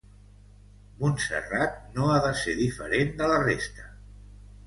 Montserrat no ha de ser diferent de la resta.